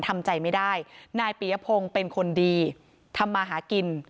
ทำใจไม่ได้นายปียพงศ์เป็นคนดีทำมาหากิน